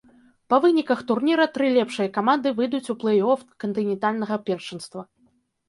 Па выніках турніра тры лепшыя каманды выйдуць у плэй-оф кантынентальнага першынства.